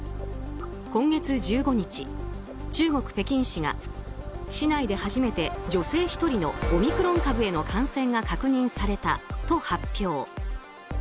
今月１５日、中国・北京市が市内で初めて女性１人のオミクロン株への感染が確認されたと発表。